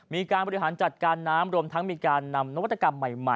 มีการบริหารจัดการน้ำรวมทั้งมีการนำนวัตกรรมใหม่